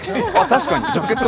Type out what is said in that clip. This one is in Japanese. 確かに。